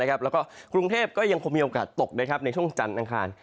กรุงเทพฯก็ยังคงมีโอกาสตกในช่วงจันทร์